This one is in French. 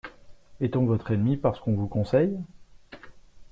Est-on votre ennemi parce qu’on vous conseille ?